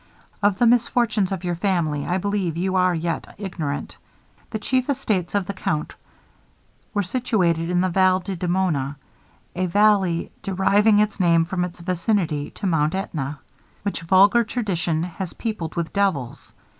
Of the misfortunes of your family, I believe you are yet ignorant. The chief estates of the count were situated in the Val di Demona, a valley deriving its name from its vicinity to Mount AEtna, which vulgar tradition has peopled with devils.